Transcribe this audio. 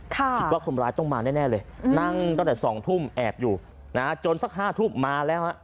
คิดว่าคนร้ายต้องมาแน่เลยนั่งตั้งแต่๒ทุ่มแอบอยู่นะฮะจนสัก๕ทุ่มมาแล้วฮะ